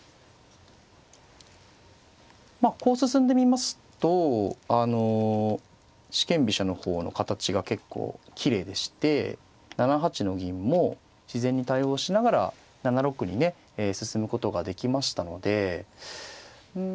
まあこう進んでみますとあの四間飛車の方の形が結構きれいでして７八の銀も自然に対応しながら７六にね進むことができましたのでうん